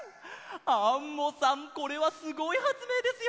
アンモさんこれはすごいはつめいですよ！